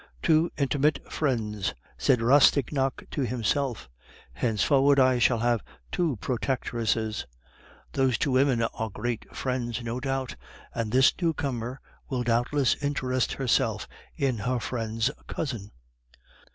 "Two intimate friends!" said Rastignac to himself. "Henceforward I shall have two protectresses; those two women are great friends, no doubt, and this newcomer will doubtless interest herself in her friend's cousin."